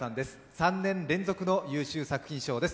３年連続の優秀作品賞です。